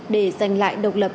để giành lại độc lập